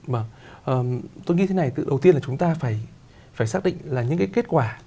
mà tôi nghĩ thế này đầu tiên là chúng ta phải xác định là những cái kết quả